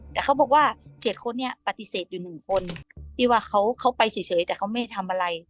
แต่เขาบอกว่าเจ็ดคนเนี้ยปฏิเสธอยู่หนึ่งคนที่ว่าเขาเขาไปเฉยเฉยแต่เขาไม่ทำอะไร